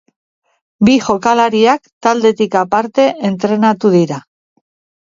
Bi jokalariak taldetik aparte entrenatu dira.